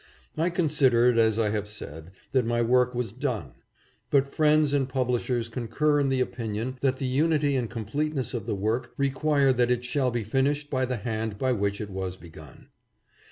I con sidered, as I have said, that my work was done. But friends and publishers concur in the opinion that the unity and completeness of the work require that it shall be finished by the hand by which it was begun.